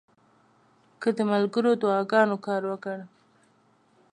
که د ملګرو دعاګانو کار ورکړ.